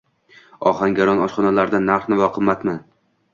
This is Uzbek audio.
Ohangaron oshxonalarida narx-navo qimmatmi?